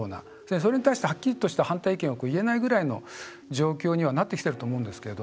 それに対して、はっきりとした反対意見を言えないぐらいの状況にはなってきてると思うんですけど。